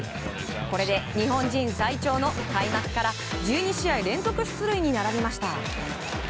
これで日本人最長の、開幕から１２試合連続出塁に並びました。